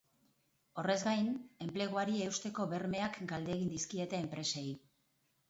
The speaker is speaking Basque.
Horrez gain, enpleguari eusteko bermeak galdegin dizkiete enpresei.